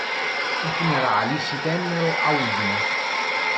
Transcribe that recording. I funerali si tennero a Udine..